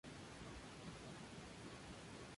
Su golpe favorito es la volea.